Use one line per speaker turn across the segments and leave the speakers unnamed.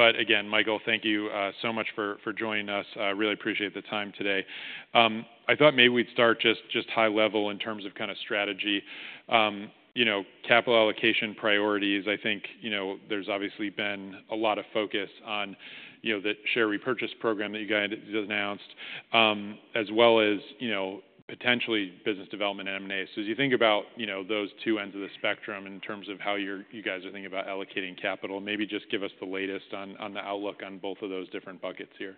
But again, Michael, thank you so much for joining us. I really appreciate the time today. I thought maybe we'd start just high level in terms of kind of strategy. You know, capital allocation priorities, I think, you know, there's obviously been a lot of focus on, you know, the share repurchase program that you guys just announced, as well as, you know, potentially business development and M&A. So as you think about, you know, those two ends of the spectrum in terms of how you guys are thinking about allocating capital, maybe just give us the latest on the outlook on both of those different buckets here.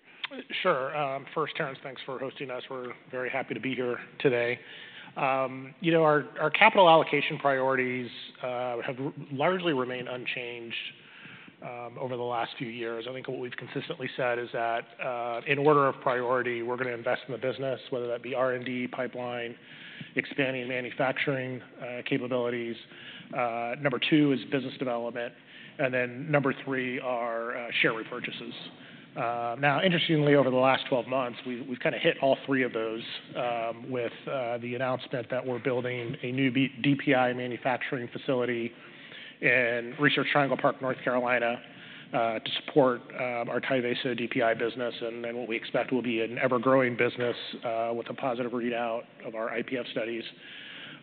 Sure. First, Terence, thanks for hosting us. We're very happy to be here today. You know, our capital allocation priorities have largely remained unchanged over the last few years. I think what we've consistently said is that in order of priority, we're going to invest in the business, whether that be R&D, pipeline, expanding manufacturing capabilities. Number two is business development, and then number three are share repurchases. Now, interestingly, over the last 12 months, we've kind of hit all three of those with the announcement that we're building a new DPI manufacturing facility in Research Triangle Park, North Carolina, to support our Tyvaso DPI business, and then what we expect will be an ever-growing business with a positive readout of our IPF studies.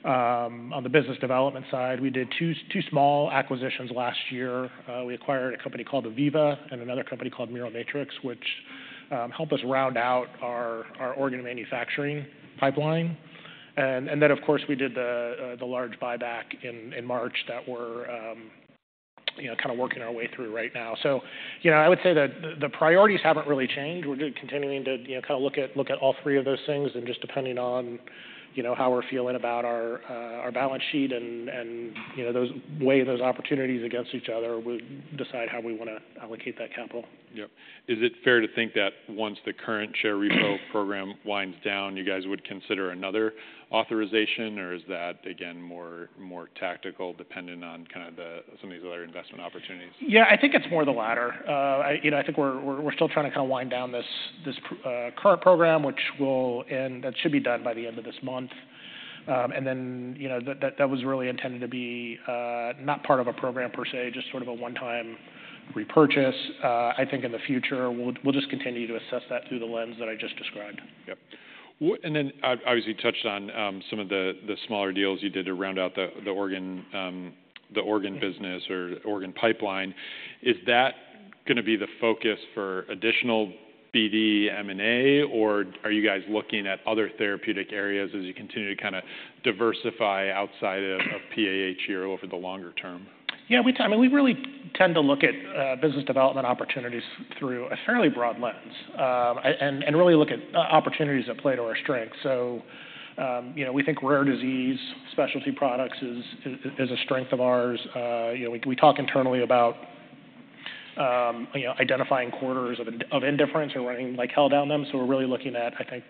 On the business development side, we did two small acquisitions last year. We acquired a company called Iviva and another company called Miromatrix, which helped us round out our organ manufacturing pipeline. And then, of course, we did the large buyback in March that we're, you know, kind of working our way through right now. So, you know, I would say that the priorities haven't really changed. We're continuing to, you know, kind of look at all three of those things, and just depending on, you know, how we're feeling about our balance sheet and, you know, weigh those opportunities against each other, we decide how we wanna allocate that capital. Yep. Is it fair to think that once the current share repo program winds down, you guys would consider another authorization? Or is that, again, more tactical, dependent on kind of some of these other investment opportunities? Yeah, I think it's more the latter. You know, I think we're still trying to kind of wind down this current program, which will end. That should be done by the end of this month. And then, you know, that was really intended to be not part of a program per se, just sort of a one-time repurchase. I think in the future, we'll just continue to assess that through the lens that I just described. Yep. And then obviously, you touched on some of the smaller deals you did to round out the organ business or organ pipeline. Is that gonna be the focus for additional BD M&A, or are you guys looking at other therapeutic areas as you continue to kind of diversify outside of PAH here over the longer term? Yeah, I mean, we really tend to look at business development opportunities through a fairly broad lens and really look at opportunities that play to our strength. So, you know, we think rare disease, specialty products is a strength of ours. You know, we talk internally about, you know, identifying corridors of indifference and running like hell down them. So we're really looking at, I think,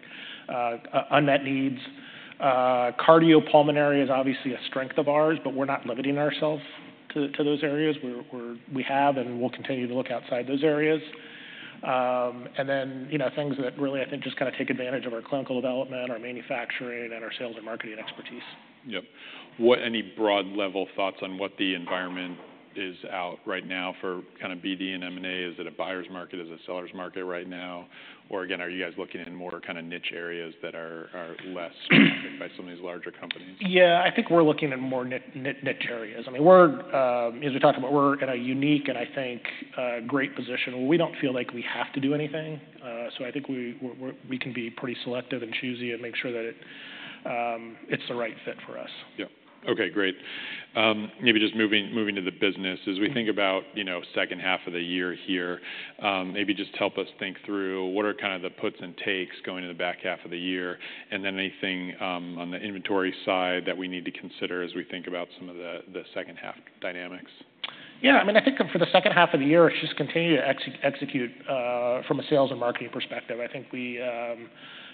unmet needs. Cardiopulmonary is obviously a strength of ours, but we're not limiting ourselves to those areas. We have and we'll continue to look outside those areas. And then, you know, things that really, I think, just kind of take advantage of our clinical development, our manufacturing, and our sales and marketing expertise. Yep. What, any broad-level thoughts on what the environment is out right now for kind of BD and M&A? Is it a buyer's market? Is it a seller's market right now? Or again, are you guys looking in more kind of niche areas that are less affected by some of these larger companies? Yeah, I think we're looking at more niche areas. I mean, as we talked about, we're in a unique and I think great position, where we don't feel like we have to do anything, so I think we can be pretty selective and choosy and make sure that it, it's the right fit for us. Yep. Okay, great. Maybe just moving to the business. As we think about, you know, second half of the year here, maybe just help us think through what are kind of the puts and takes going into the back half of the year, and then anything on the inventory side that we need to consider as we think about some of the second half dynamics? Yeah, I mean, I think for the second half of the year, it's just continuing to execute from a sales and marketing perspective. I think we,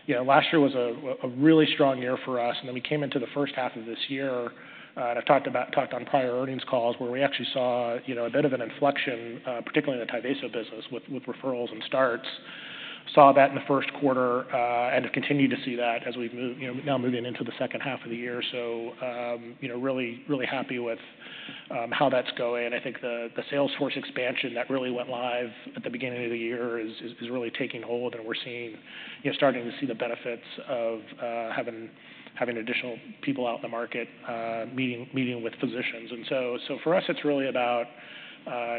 you know, last year was a really strong year for us, and then we came into the first half of this year, and I've talked on prior earnings calls, where we actually saw, you know, a bit of an inflection, particularly in the Tyvaso business, with referrals and starts. Saw that in the first quarter, and have continued to see that as we've moved, you know, now moving into the second half of the year. So, you know, really, really happy with how that's going. I think the sales force expansion that really went live at the beginning of the year is really taking hold, and we're seeing you know, starting to see the benefits of having additional people out in the market meeting with physicians. So for us, it's really about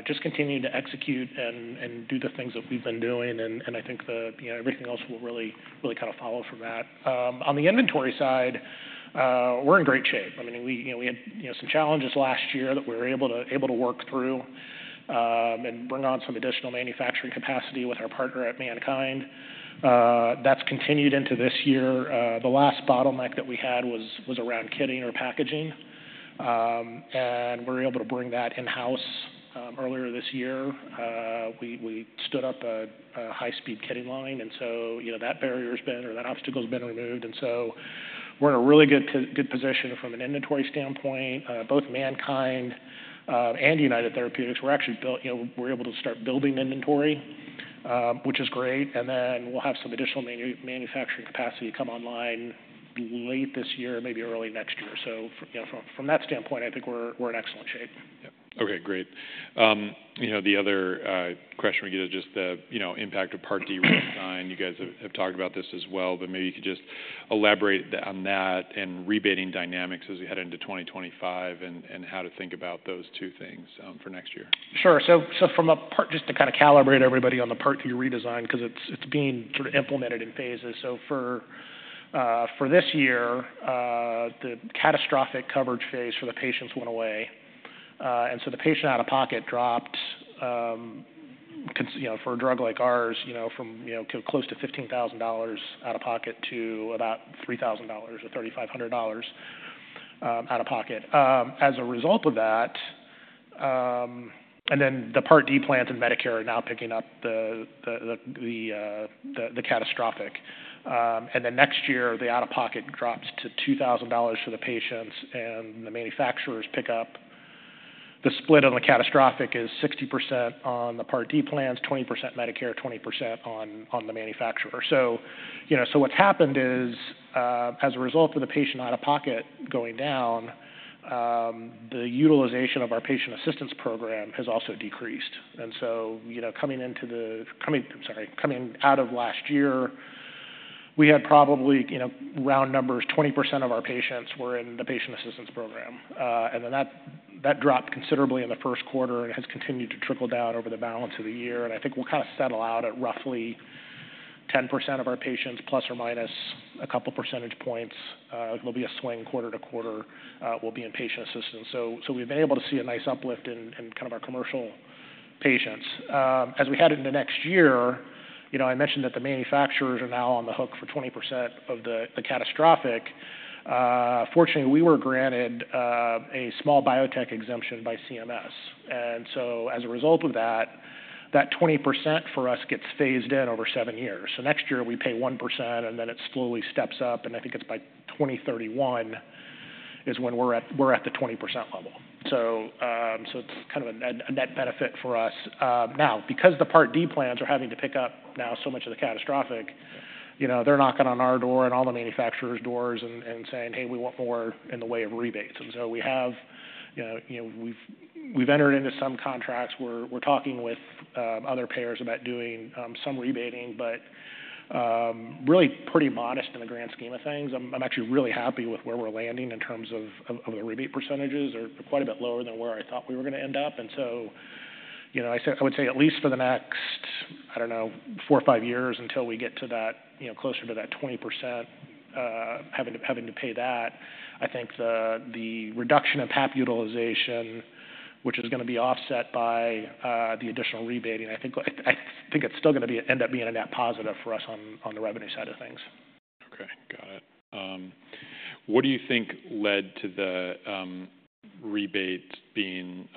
just continuing to execute and do the things that we've been doing, and I think you know, everything else will really kind of follow from that. On the inventory side, we're in great shape. I mean, we you know, had some challenges last year that we were able to work through and bring on some additional manufacturing capacity with our partner at MannKind. That's continued into this year. The last bottleneck that we had was around kitting or packaging, and we're able to bring that in-house. Earlier this year, we stood up a high-speed kitting line, and so, you know, that barrier's been or that obstacle has been removed, and so we're in a really good position from an inventory standpoint. Both MannKind and United Therapeutics, we're actually built, you know, we're able to start building inventory, which is great, and then we'll have some additional manufacturing capacity come online late this year, maybe early next year, so from that standpoint, I think we're in excellent shape. Yep. Okay, great. You know, the other question we get is just the impact of Part D redesign. You guys have talked about this as well, but maybe you could just elaborate on that and rebating dynamics as we head into 2025, and how to think about those two things for next year. Sure. Just to kind of calibrate everybody on the Part D redesign, 'cause it's being sort of implemented in phases. For this year, the catastrophic coverage phase for the patients went away. The patient out-of-pocket dropped, you know, for a drug like ours, you know, from close to $15,000 out-of-pocket to about $3,000 or $3,500 out-of-pocket. As a result of that, the Part D plans and Medicare are now picking up the catastrophic. Next year, the out-of-pocket drops to $2,000 for the patients, and the manufacturers pick up. The split on the catastrophic is 60% on the Part D plans, 20% Medicare, 20% on the manufacturer. So, you know, what's happened is, as a result of the patient out-of-pocket going down, the utilization of our patient assistance program has also decreased. And so, you know, coming out of last year, we had probably, you know, round numbers, 20% of our patients were in the patient assistance program. And then that dropped considerably in the first quarter and has continued to trickle down over the balance of the year. And I think we'll kind of settle out at roughly 10% of our patients, plus or minus a couple percentage points. There'll be a swing quarter to quarter, will be in patient assistance. So, we've been able to see a nice uplift in kind of our commercial patients. As we head into next year, you know, I mentioned that the manufacturers are now on the hook for 20% of the catastrophic. Fortunately, we were granted a small biotech exemption by CMS. So as a result of that, that 20% for us gets phased in over seven years. Next year we pay 1%, and then it slowly steps up, and I think it's by 2031 is when we're at the 20% level. So it's kind of a net, a net benefit for us. Now, because the Part D plans are having to pick up now so much of the catastrophic, you know, they're knocking on our door and all the manufacturers' doors and saying: "Hey, we want more in the way of rebates." And so we have, you know, we've entered into some contracts. We're talking with other payers about doing some rebating, but really pretty modest in the grand scheme of things. I'm actually really happy with where we're landing in terms of the rebate percentages are quite a bit lower than where I thought we were gonna end up. So, you know, I would say, at least for the next, I don't know, four or five years, until we get to that, you know, closer to that 20%, having to, having to pay that, I think, I think it's still gonna end up being a net positive for us on, on the revenue side of things. Okay, got it. What do you think led to the rebates being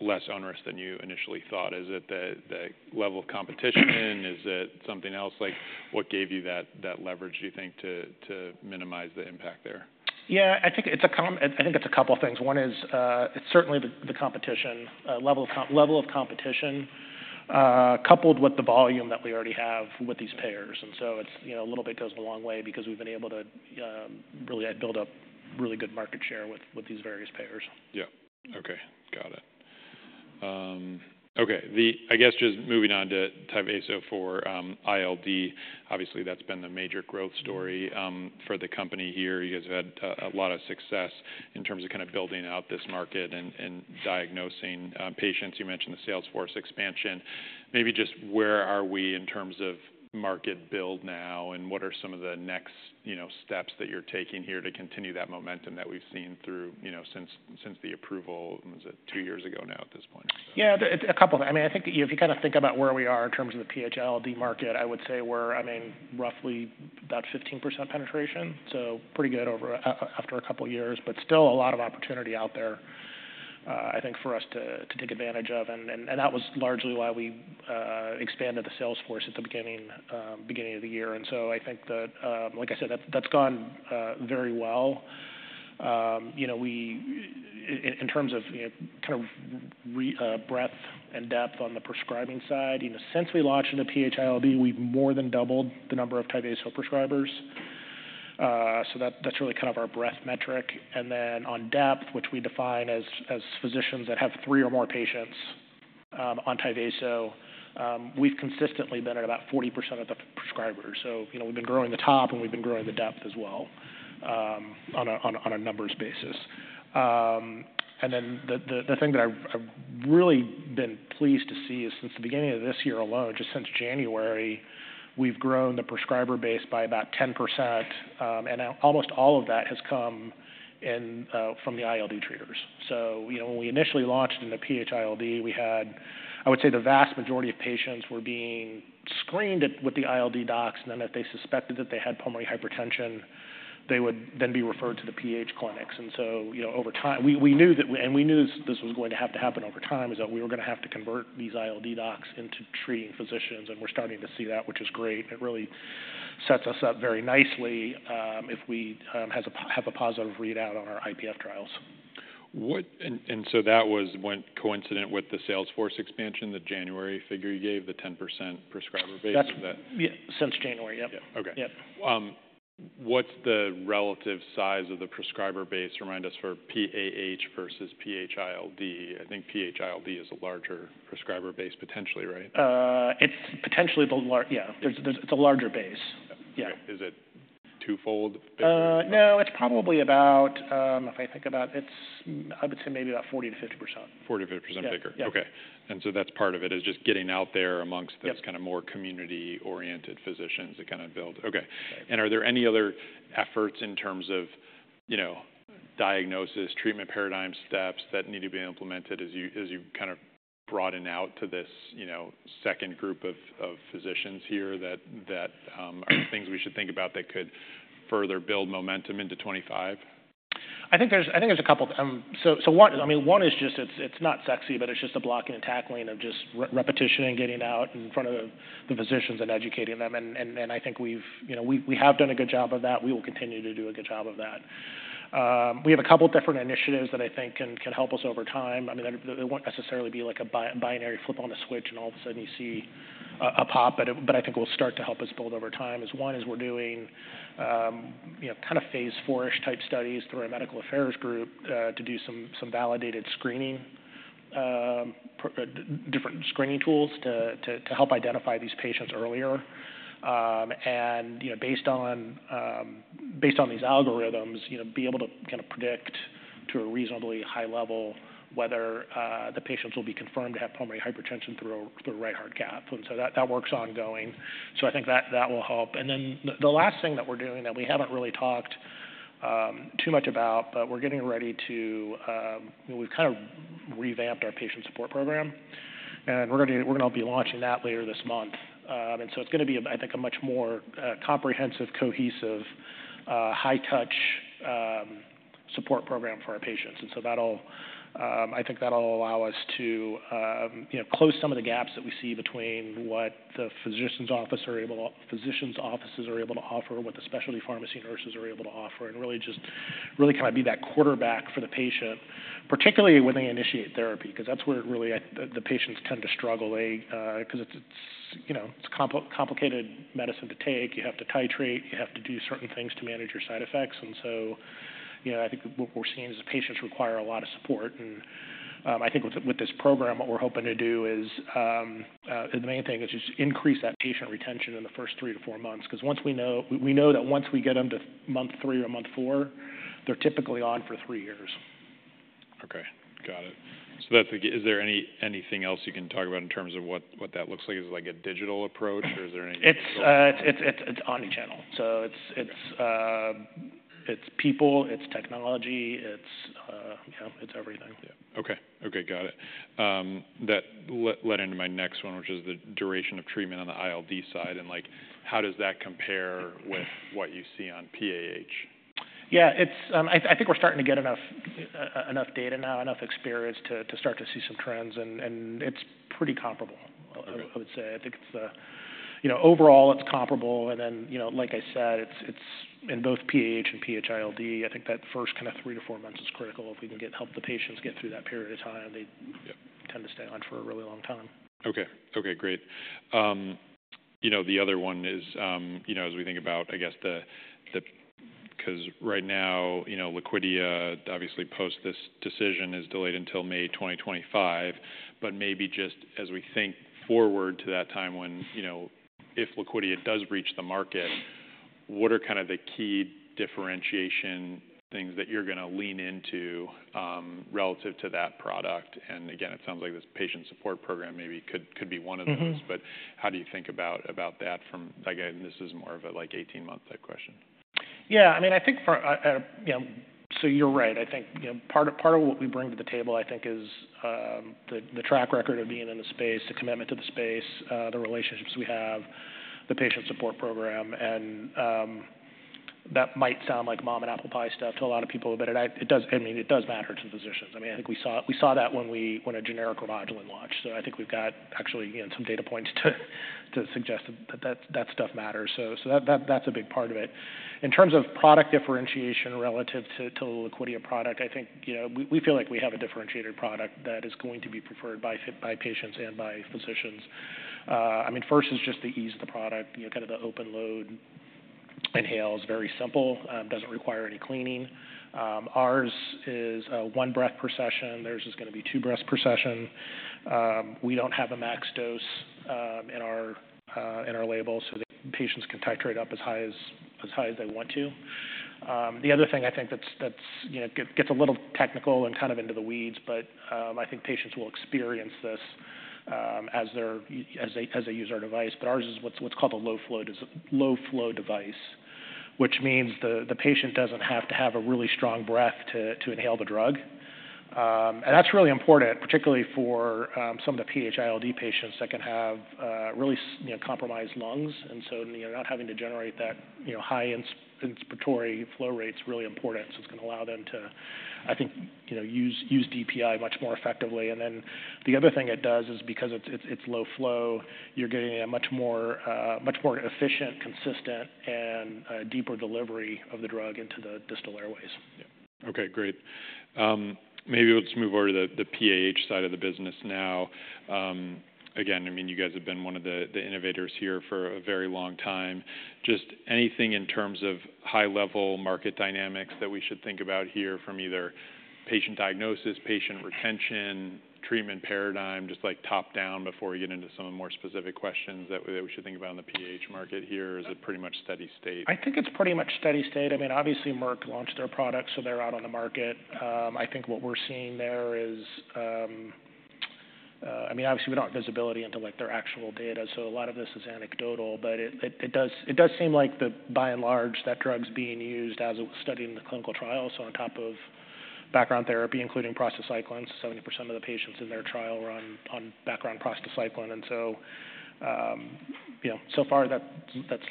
less onerous than you initially thought? Is it the level of competition? Is it something else? Like, what gave you that leverage, do you think, to minimize the impact there? Yeah, I think it's a couple of things. One is, it's certainly the level of competition coupled with the volume that we already have with these payers. And so it's, you know, a little bit goes a long way because we've been able to really build up really good market share with these various payers. Yeah. Okay, got it. Okay, I guess just moving on to Tyvaso for ILD. Obviously, that's been the major growth story for the company here. You guys have had a lot of success in terms of kind of building out this market and diagnosing patients. You mentioned the sales force expansion. Maybe just where are we in terms of market build now, and what are some of the next, you know, steps that you're taking here to continue that momentum that we've seen through, you know, since the approval, was it two years ago now at this point? Yeah. I mean, I think if you kind of think about where we are in terms of the PH-ILD market, I would say we're, I mean, roughly about 15% penetration, so pretty good over, after a couple of years, but still a lot of opportunity out there, I think for us to take advantage of. And that was largely why we expanded the sales force at the beginning, beginning of the year. And so I think that, like I said, that's gone very well. You know, we in terms of, you know, kind of breadth and depth on the prescribing side, you know, since we launched into PH-ILD, we've more than doubled the number of Tyvaso prescribers. So that's really kind of our breadth metric. And then on depth, which we define as physicians that have three or more patients on Tyvaso, we've consistently been at about 40% of the prescribers. So, you know, we've been growing the top, and we've been growing the depth as well, on a numbers basis. And then the thing that I've really been pleased to see is since the beginning of this year alone, just since January, we've grown the prescriber base by about 10%, and almost all of that has come in from the ILD treaters. So, you know, when we initially launched in the PH-ILD, we had, I would say, the vast majority of patients were being screened at, with the ILD docs, and then if they suspected that they had pulmonary hypertension, they would then be referred to the PH clinics. And so, you know, over time, we knew that, and we knew this was going to have to happen over time, is that we were gonna have to convert these ILD docs into treating physicians, and we're starting to see that, which is great. It really sets us up very nicely, if we have a positive readout on our IPF trials.... And so that was went coincident with the sales force expansion, the January figure you gave, the 10% prescriber base, is that- Yeah, since January. Yep. Yeah. Okay. Yeah. What's the relative size of the prescriber base? Remind us, for PAH versus PH-ILD. I think PH-ILD is a larger prescriber base, potentially, right? It's potentially the large... Yeah, there's. It's a larger base. Yeah. Yeah. Is it twofold bigger? No, it's probably about, if I think about it, it's I would say maybe about 40%-50%. 40%-50% bigger? Yeah. Okay. And so that's part of it, is just getting out there among- Yep Those kind of more community-oriented physicians to kind of build. Okay. Right. Are there any other efforts in terms of, you know, diagnosis, treatment paradigm steps that need to be implemented as you kind of broaden out to this, you know, second group of physicians here that are things we should think about that could further build momentum into 2025? I think there's a couple. One is just it's not sexy, but it's just the blocking and tackling of just repetition and getting out in front of the physicians and educating them. And I think we've... You know, we have done a good job of that. We will continue to do a good job of that. We have a couple different initiatives that I think can help us over time. I mean, they won't necessarily be like a binary flip on the switch, and all of a sudden you see a pop, but I think [they] will start to help us build over time. One is we're doing, you know, kind of phase four-ish type studies through our medical affairs group to do some validated screening. Different screening tools to help identify these patients earlier. You know, based on these algorithms, you know, be able to kind of predict to a reasonably high level whether the patients will be confirmed to have pulmonary hypertension through a right heart cath. So that work's ongoing, so I think that will help. Then the last thing that we're doing that we haven't really talked too much about, but we're getting ready to... We've kind of revamped our patient support program, and we're gonna be launching that later this month. So it's gonna be, I think, a much more comprehensive, cohesive, high touch support program for our patients. And so that'll, I think that'll allow us to, you know, close some of the gaps that we see between what the physician's offices are able to offer, what the specialty pharmacy nurses are able to offer, and really just kind of be that quarterback for the patient, particularly when they initiate therapy. Because that's where it really, the patients tend to struggle. They 'cause it's, you know, it's complicated medicine to take. You have to titrate. You have to do certain things to manage your side effects. And so, you know, I think what we're seeing is the patients require a lot of support. And I think with this program, what we're hoping to do is the main thing is just increase that patient retention in the first three to four months. 'Cause once we know, we know that once we get them to month three or month four, they're typically on for three years. Okay, got it. So that's the... Is there anything else you can talk about in terms of what that looks like? Is it like a digital approach, or is there any- It's omni-channel. Okay. It's people, it's technology, you know, it's everything. Yeah. Okay. Okay, got it. That led into my next one, which is the duration of treatment on the ILD side, and, like, how does that compare with what you see on PAH? Yeah, it's. I think we're starting to get enough data now, enough experience to start to see some trends, and it's pretty comparable- Okay I would say. I think it's, you know, overall it's comparable, and then, you know, like I said, it's, it's in both PAH and PHILD. I think that first kind of three to four months is critical. If we can get help the patients get through that period of time, they- Yep Tend to stay on for a really long time. Okay. Okay, great. You know, the other one is, you know, as we think about, I guess, 'Cause right now, you know, Liquidia, obviously, post this decision is delayed until May twenty twenty-five. But maybe just as we think forward to that time when, you know, if Liquidia does reach the market, what are kind of the key differentiation things that you're gonna lean into, relative to that product? And again, it sounds like this patient support program maybe could be one of those. Mm-hmm. But how do you think about that from... Again, this is more of a, like, 18-month type question? Yeah, I mean, I think for, you know. So you're right. I think, you know, part of what we bring to the table, I think, is the track record of being in the space, the commitment to the space, the relationships we have, the patient support program, and that might sound like mom and apple pie stuff to a lot of people, but it does, I mean, it does matter to physicians. Yeah. I mean, I think we saw that when a generic Remodulin launched. So I think we've got actually, again, some data points to suggest that stuff matters. So that that's a big part of it. In terms of product differentiation relative to the Liquidia product, I think, you know, we feel like we have a differentiated product that is going to be preferred by patients and by physicians. I mean, first is just the ease of the product. You know, kind of the open load inhale is very simple, doesn't require any cleaning. Ours is one breath per session. Theirs is gonna be two breaths per session. We don't have a max dose in our label, so the patients can titrate up as high as they want to. The other thing I think that's, you know, gets a little technical and kind of into the weeds, but I think patients will experience this as they use our device. But ours is what's called a low flow low flow device, which means the patient doesn't have to have a really strong breath to inhale the drug. And that's really important, particularly for some of the PH-ILD patients that can have really you know, compromised lungs. And so, you know, not having to generate that, you know, high inspiratory flow rate is really important. So it's gonna allow them to, I think, you know, use DPI much more effectively. And then the other thing it does is because it's low flow, you're getting a much more efficient, consistent, and deeper delivery of the drug into the distal airways. Yeah. Okay, great. Maybe let's move over to the PAH side of the business now. Again, I mean, you guys have been one of the innovators here for a very long time. Just anything in terms of high-level market dynamics that we should think about here from either patient diagnosis, patient retention, treatment paradigm, just like top-down before we get into some of the more specific questions that we should think about in the PAH market here, or is it pretty much steady state? I think it's pretty much steady state. I mean, obviously, Merck launched their product, so they're out on the market. I think what we're seeing there is, I mean, obviously, we don't have visibility into, like, their actual data, so a lot of this is anecdotal, but it does seem like, by and large, that drug's being used as studied in the clinical trial. So on top of background therapy, including prostacyclin, 70% of the patients in their trial were on background prostacyclin. And so, you know, so far that's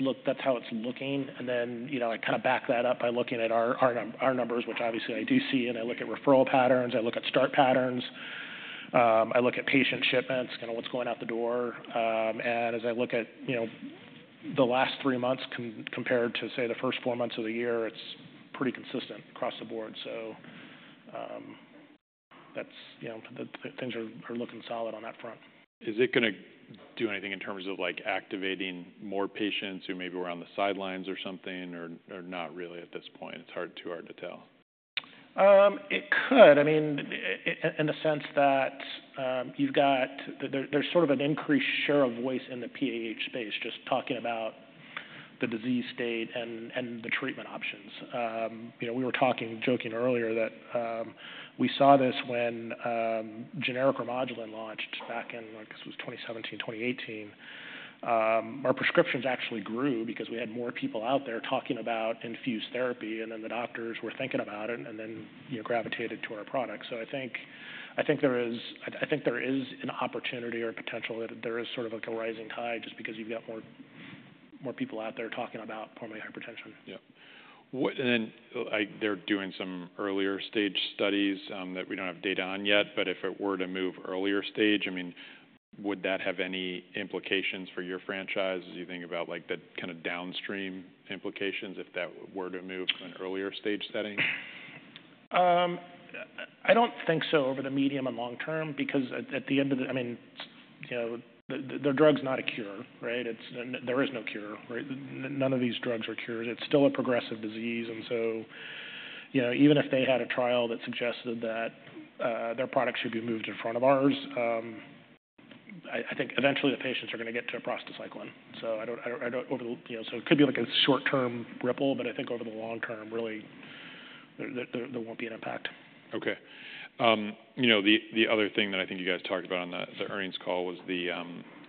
how it's looking. And then, you know, I kinda back that up by looking at our numbers, which obviously I do see, and I look at referral patterns, I look at start patterns, I look at patient shipments, kinda what's going out the door. And as I look at, you know, the last three months compared to, say, the first four months of the year, it's pretty consistent across the board, so that's, you know, the things are looking solid on that front. Is it gonna do anything in terms of, like, activating more patients who maybe were on the sidelines or something, or, or not really at this point? It's hard, too hard to tell? It could, I mean, in the sense that, you've got. There's sort of an increased share of voice in the PAH space, just talking about the disease state and, and the treatment options. You know, we were talking, joking earlier that, we saw this when, generic Remodulin launched back in, I guess, it was twenty seventeen, twenty eighteen. Our prescriptions actually grew because we had more people out there talking about infused therapy, and then the doctors were thinking about it, and then, you know, gravitated to our product. So I think there is an opportunity or potential, that there is sort of like a rising tide, just because you've got more, more people out there talking about pulmonary hypertension. Yeah. What, and then, like, they're doing some earlier stage studies, that we don't have data on yet, but if it were to move earlier stage, I mean, would that have any implications for your franchise as you think about, like, the kinda downstream implications, if that were to move to an earlier stage setting? I don't think so over the medium and long term, because at the end of the... I mean, you know, the drug's not a cure, right? It's, and there is no cure, right? None of these drugs are cures. It's still a progressive disease, and so, you know, even if they had a trial that suggested that, their product should be moved in front of ours, I think eventually the patients are gonna get to a prostacyclin. So I don't over the... You know, so it could be like a short-term ripple, but I think over the long term, really, there won't be an impact. Okay. You know, the other thing that I think you guys talked about on the earnings call was the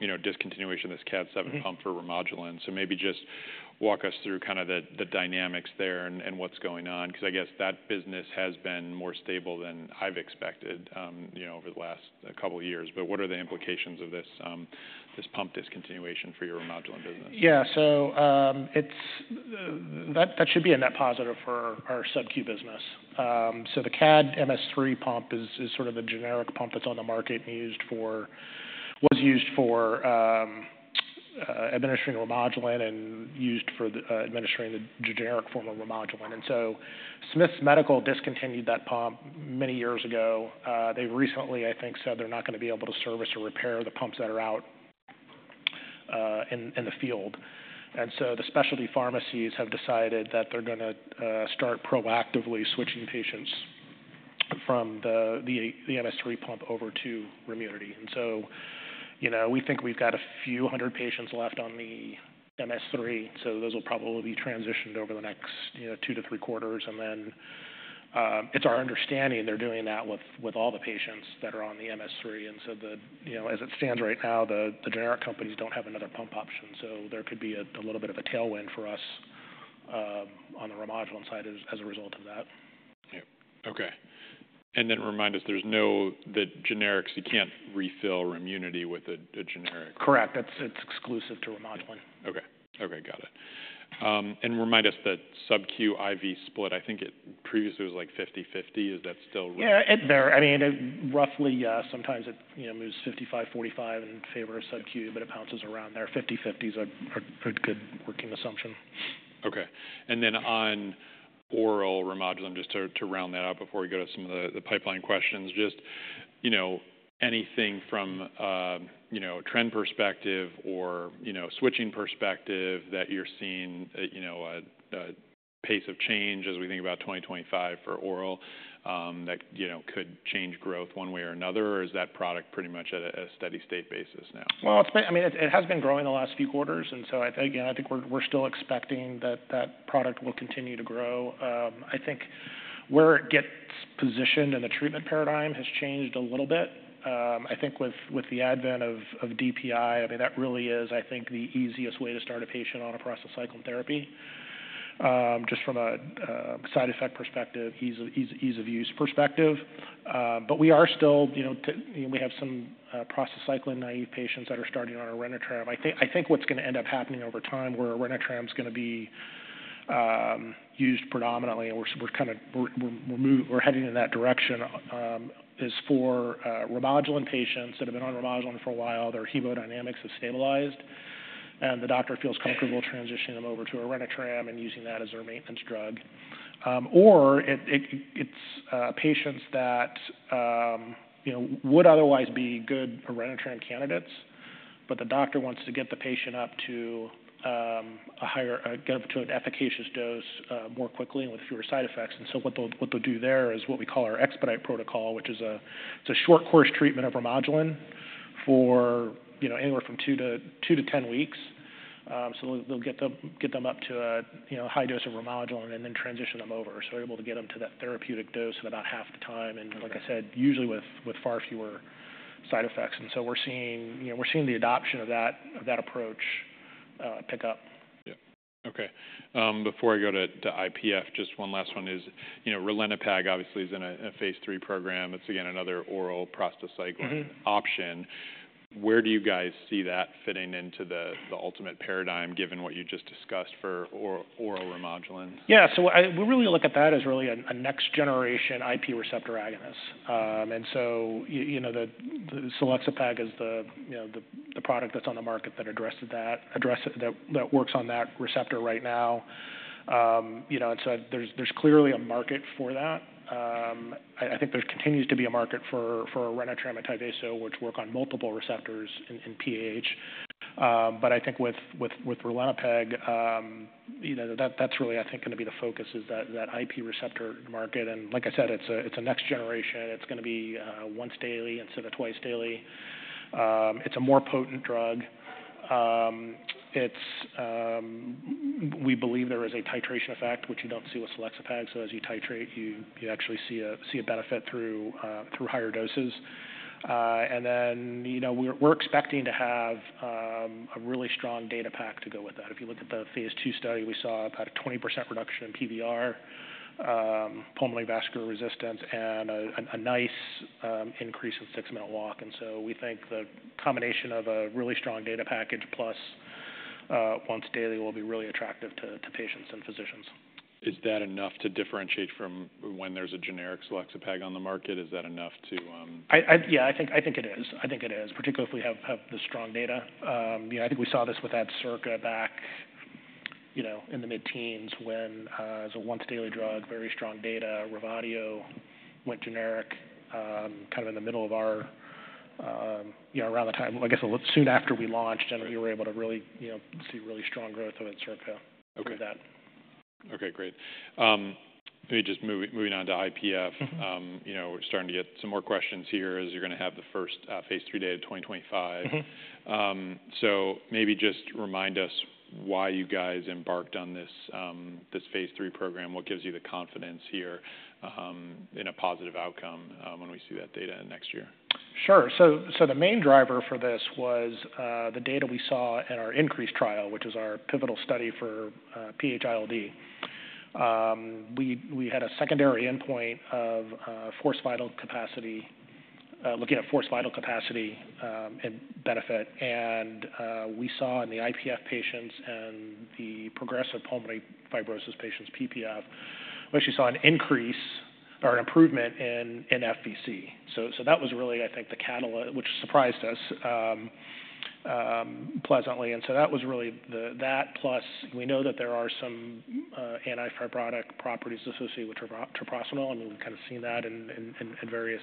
discontinuation of this CADD-MS 3 pump for Remodulin. So maybe just walk us through kind of the dynamics there and what's going on, 'cause I guess that business has been more stable than I've expected, you know, over the last couple of years. But what are the implications of this pump discontinuation for your Remodulin business? Yeah. So, it's... That should be a net positive for our subQ business. So the CADD-MS 3 pump is sort of a generic pump that's on the market and was used for administering Remodulin and used for administering the generic form of Remodulin. And so Smiths Medical discontinued that pump many years ago. They recently, I think, said they're not gonna be able to service or repair the pumps that are out in the field. And so the specialty pharmacies have decided that they're gonna start proactively switching patients from the MS3 pump over to Remunity. And so, you know, we think we've got a few hundred patients left on the MS3, so those will probably be transitioned over the next, you know, two to three quarters. And then, it's our understanding they're doing that with all the patients that are on the MS3. And so, you know, as it stands right now, the generic companies don't have another pump option, so there could be a little bit of a tailwind for us on the Remodulin side as a result of that. Yeah. Okay. And then remind us, there's no... The generics, you can't refill Remunity with a generic? Correct. It's exclusive to Remodulin. Okay. Okay, got it. And remind us that subQ IV split, I think it previously was, like, fifty/fifty. Is that still- Yeah, it's there. I mean, it roughly sometimes, you know, moves 55-45 in favor of subQ, but it bounces around there. 50/50 is a pretty good working assumption. Okay. And then on Orenitram, just to round that up before we go to some of the pipeline questions, just you know anything from you know trend perspective or you know switching perspective that you're seeing you know a pace of change as we think about twenty twenty-five for oral that you know could change growth one way or another, or is that product pretty much at a steady state basis now? It's been, I mean, it has been growing the last few quarters, and so I think we're still expecting that product will continue to grow. I think where it gets positioned in the treatment paradigm has changed a little bit. I think with the advent of DPI, I mean, that really is, I think, the easiest way to start a patient on a prostacyclin therapy, just from a side effect perspective, ease of use perspective. But we are still, you know, we have some prostacyclin naive patients that are starting on our Orenitram. I think what's gonna end up happening over time, where our Orenitram is gonna be used predominantly, and we're kinda heading in that direction, is for Remodulin patients that have been on Remodulin for a while, their hemodynamics has stabilized, and the doctor feels comfortable transitioning them over to Orenitram and using that as their maintenance drug. Or it's patients that, you know, would otherwise be good Orenitram candidates, but the doctor wants to get the patient up to a higher, get up to an efficacious dose more quickly and with fewer side effects. And so what they'll do there is what we call our Expedite Protocol, which is a short course treatment of Remodulin for, you know, anywhere from two to 10 weeks. So they'll get them up to a, you know, high dose of Remodulin and then transition them over, so we're able to get them to that therapeutic dose in about half the time. Okay. And like I said, usually with far fewer side effects. And so we're seeing, you know, the adoption of that approach pick up. Yeah. Okay. Before I go to IPF, just one last one is, you know, ralinepag obviously is in a phase three program. It's again, another oral prostacyclin- Mm-hmm Option. Where do you guys see that fitting into the ultimate paradigm, given what you just discussed for oral Remodulin? Yeah. So I, we really look at that as really a next generation IP receptor agonist. And so you know, the selexipag is the, you know, the product that's on the market that addresses that, that works on that receptor right now. And so there's clearly a market for that. I think there continues to be a market for Orenitram and Tyvaso, which work on multiple receptors in PAH. But I think with ralinepag, you know, that's really, I think, gonna be the focus, is that IP receptor market. And like I said, it's a next generation. It's gonna be once daily instead of twice daily. It's a more potent drug. It's We believe there is a titration effect, which you don't see with selexipag. So as you titrate, you actually see a benefit through higher doses. And then, you know, we're expecting to have a really strong data pack to go with that. If you look at the phase two study, we saw about a 20% reduction in PVR, pulmonary vascular resistance, and a nice increase in six-minute walk. And so we think the combination of a really strong data package plus once daily will be really attractive to patients and physicians. Is that enough to differentiate from when there's a generic Selexipag on the market? Is that enough to, Yeah, I think it is. I think it is, particularly if we have the strong data. You know, I think we saw this with Adcirca back, you know, in the mid-teens when it was a once daily drug, very strong data. Revatio went generic, kind of in the middle of our, you know, around the time- I guess, a little soon after we launched- Right and we were able to really, you know, see really strong growth of Adcirca with that. Okay, great. Maybe just moving on to IPF. Mm-hmm. You know, we're starting to get some more questions here as you're gonna have the first phase 3 data of 2025. Mm-hmm. So maybe just remind us why you guys embarked on this phase three program. What gives you the confidence here, in a positive outcome, when we see that data in next year? Sure. So the main driver for this was the data we saw in our INCREASE trial, which is our pivotal study for PH-ILD. We had a secondary endpoint of forced vital capacity, looking at forced vital capacity, and benefit. And we saw in the IPF patients and the progressive pulmonary fibrosis patients, PPF, we actually saw an increase or an improvement in FVC. So that was really, I think, the catalyst, which surprised us, pleasantly. And so that was really that plus we know that there are some anti-fibrotic properties associated with treprostinil, and we've kind of seen that in various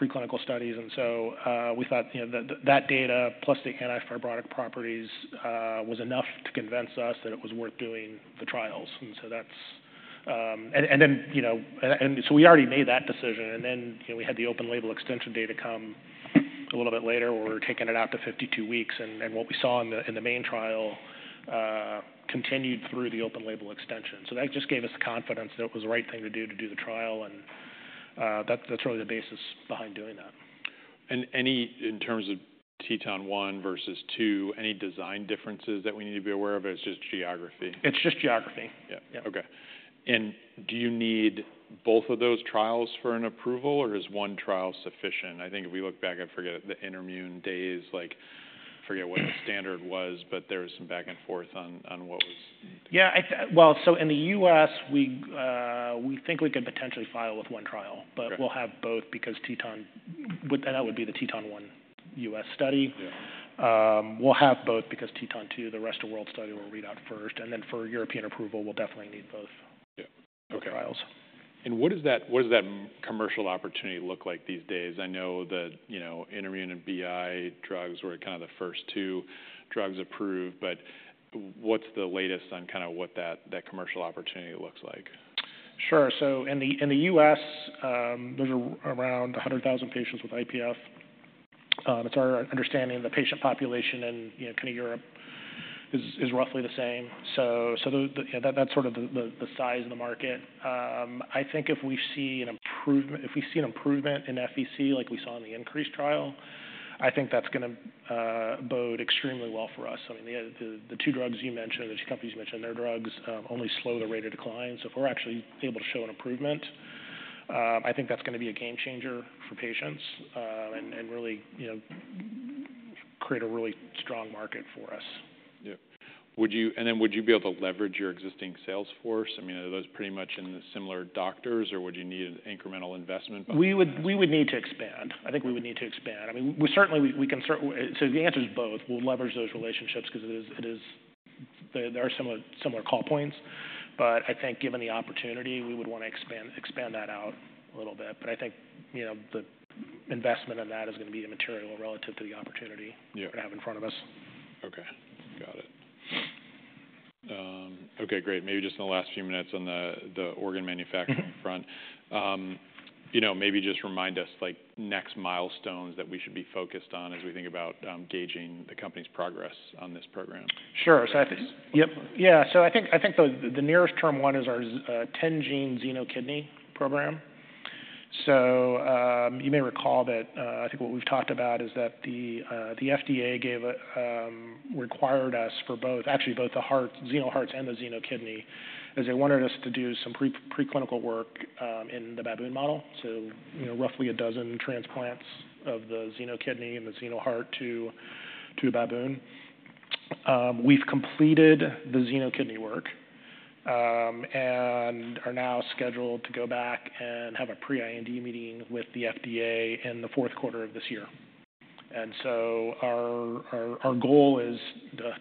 preclinical studies. And so we thought, you know, that that data plus the anti-fibrotic properties was enough to convince us that it was worth doing the trials. And so that's and then, you know, and so we already made that decision, and then, you know, we had the open label extension data come a little bit later, where we're taking it out to 52 weeks. And what we saw in the main trial continued through the open label extension. So that just gave us the confidence that it was the right thing to do, to do the trial, and that's really the basis behind doing that. Any, in terms of Teton One versus Two, any design differences that we need to be aware of, or it's just geography? It's just geography. Yeah. Yeah. Okay, and do you need both of those trials for an approval or is one trial sufficient? I think if we look back, I forget, the InterMune days, like, forget what the standard was, but there was some back and forth on what was- Well, so in the U.S., we think we could potentially file with one trial. Okay... but we'll have both because Teton and that would be the Teton One U.S. study. Yeah. We'll have both because Teton 2, the rest of the world study, will read out first, and then for European approval, we'll definitely need both. Yeah. Okay - trials. What does that commercial opportunity look like these days? I know that, you know, InterMune and BI drugs were kind of the first two drugs approved, but what's the latest on kind of what that commercial opportunity looks like? Sure. So in the U.S., there's around 100,000 patients with IPF. It's our understanding the patient population in, you know, kind of Europe is roughly the same. So that's sort of the size of the market. I think if we see an improvement, if we see an improvement in FVC like we saw in the Increase trial, I think that's gonna bode extremely well for us. I mean, the two drugs you mentioned, the two companies you mentioned, their drugs only slow the rate of decline. So if we're actually able to show an improvement, I think that's gonna be a game changer for patients, and really, you know, create a really strong market for us. ... Yeah. Would you, and then would you be able to leverage your existing sales force? I mean, are those pretty much in the similar doctors, or would you need an incremental investment behind that? We would need to expand. I think we would need to expand. I mean, we certainly can. So the answer is both. We'll leverage those relationships 'cause it is. There are similar call points. But I think given the opportunity, we would want to expand that out a little bit. But I think, you know, the investment in that is gonna be immaterial relative to the opportunity. Yeah We have in front of us. Okay, got it. Okay, great. Maybe just in the last few minutes on the organ manufacturing front. Mm-hmm. You know, maybe just remind us, like, next milestones that we should be focused on as we think about gauging the company's progress on this program. Sure. So I think- Yes. Yep. Yeah, so I think the nearest term one is our 10-gene xenokidney program. So, you may recall that, I think what we've talked about is that the FDA required us for both, actually, both the xenoheart and the xenokidney. They wanted us to do some preclinical work in the baboon model. So, you know, roughly a dozen transplants of the xenokidney and the xenoheart to baboon. We've completed the xenokidney work, and are now scheduled to go back and have a pre-IND meeting with the FDA in the fourth quarter of this year. And so our goal is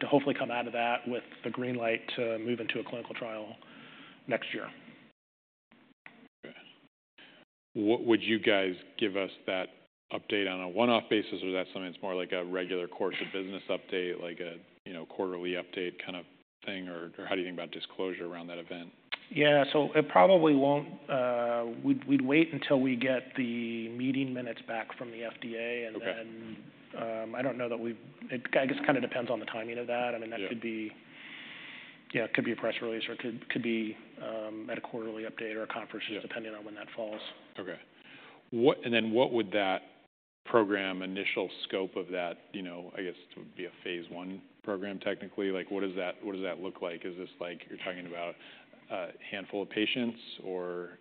to hopefully come out of that with the green light to move into a clinical trial next year. Okay. What would you guys give us that update on a one-off basis, or is that something that's more like a regular course of business update, like a, you know, quarterly update kind of thing? Or, or how do you think about disclosure around that event? Yeah, so it probably won't... We'd wait until we get the meeting minutes back from the FDA- Okay... and then, I don't know that we've. It, I guess, kind of depends on the timing of that. Yeah. I mean, that could be, you know, could be a press release, or it could be at a quarterly update or a conference- Yeah - depending on when that falls. Okay. And then what would that program, initial scope of that, you know, I guess, would be a phase I program, technically. Like, what does that, what does that look like? Is this like you're talking about, handful of patients or?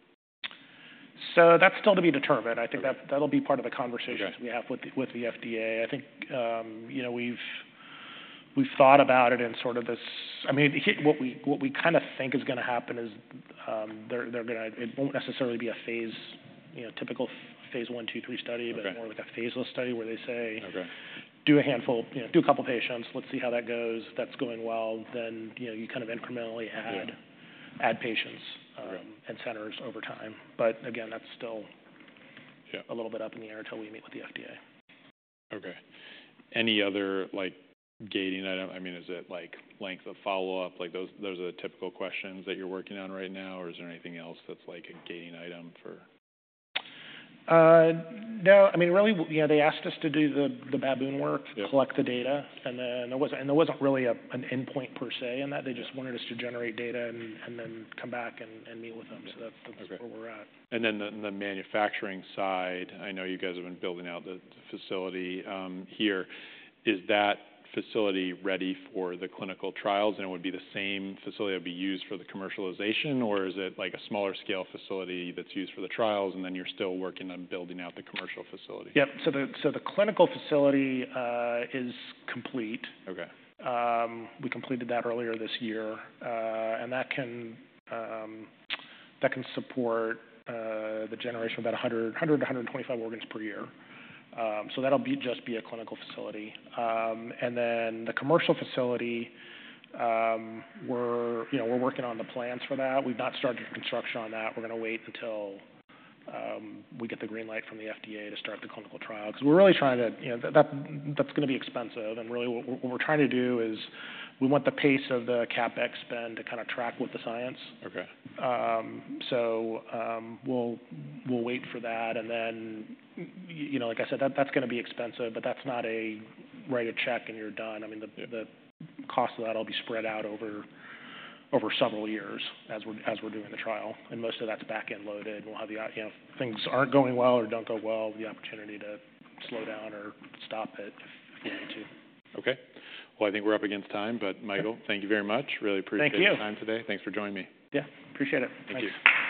So that's still to be determined. Okay. I think that, that'll be part of the conversation- Okay we have with the FDA. I think, you know, we've thought about it in sort of this. I mean, what we kind of think is gonna happen is, they're gonna - it won't necessarily be a phase, you know, typical phase I, II, III study- Okay... but more of like a phaseless study, where they say- Okay... Do a handful, you know, do a couple patients. Let's see how that goes. If that's going well, then, you know, you kind of incrementally add- Yeah... add patients- Okay... and centers over time. But again, that's still- Yeah A little bit up in the air until we meet with the FDA. Okay. Any other, like, gating item? I mean, is it like length of follow-up? Like, those are the typical questions that you're working on right now, or is there anything else that's like a gating item for? No. I mean, really, you know, they asked us to do the baboon work- Yeah... collect the data, and then there wasn't really an endpoint per se in that. Yeah. They just wanted us to generate data and then come back and meet with them. Yeah. So that, that's where we're at. Okay. And then the manufacturing side, I know you guys have been building out the facility here. Is that facility ready for the clinical trials, and would it be the same facility that would be used for the commercialization, or is it like a smaller scale facility that's used for the trials, and then you're still working on building out the commercial facility? Yep. So the clinical facility is complete. Okay. We completed that earlier this year, and that can support the generation of about 100 to 125 organs per year. That'll be just a clinical facility. And then the commercial facility, you know, we're working on the plans for that. We've not started construction on that. We're gonna wait until we get the green light from the FDA to start the clinical trial, because we're really trying to. You know, that's gonna be expensive, and really what we're trying to do is we want the pace of the CapEx spend to kind of track with the science. Okay. So, we'll wait for that, and then, you know, like I said, that's gonna be expensive, but that's not a write a check and you're done. I mean, the cost of that will be spread out over several years as we're doing the trial, and most of that's back and loaded. We'll have, you know, if things aren't going well or don't go well, the opportunity to slow down or stop it if we need to. Okay, well, I think we're up against time. Yeah. But Michael, thank you very much. Really appreciate- Thank you for your time today. Thanks for joining me. Yeah. Appreciate it. Thank you.